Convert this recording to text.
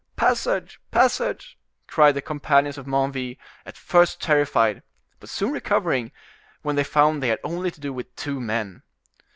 "Passage! passage!" cried the companions of Menneville, at first terrified, but soon recovering, when they found they had only to do with two men.